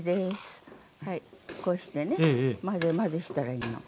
こうしてね混ぜ混ぜしたらいいの。